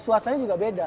suasanya juga beda